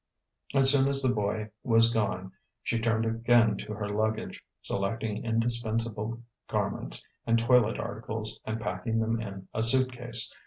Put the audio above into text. As soon as the boy was gone she turned again to her luggage, selecting indispensable garments and toilet articles and packing them in a suit case.